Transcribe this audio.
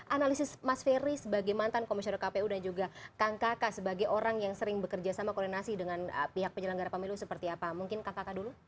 analisis mas ferry sebagai mantan komisioner kpu dan juga kang kakak sebagai orang yang sering bekerja sama koordinasi dengan pihak penyelenggara pemilu seperti apa mungkin kang kakak dulu